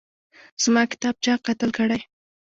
زما کتاب چا قتل کړی